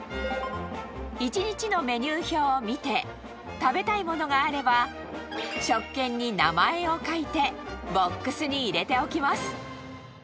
１日のメニュー表を見て食べたいものがあれば食券に名前を書いて、ボックスに入れておきます。